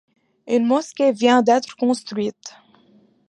Une mosquée vient d'être construite.